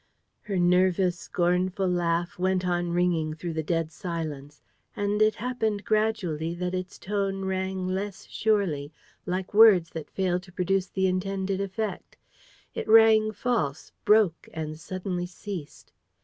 Her nervous, scornful laugh went on ringing through the dead silence. And it happened gradually that its tone rang less surely, like words that fail to produce the intended effect. It rang false, broke and suddenly ceased.